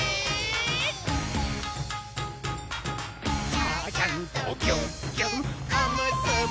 「ちゃちゃんとぎゅっぎゅっおむすびちゃん」